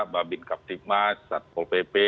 bapak bin captik mas satpol pp